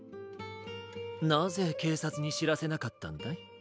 なぜけいさつにしらせなかったんだい？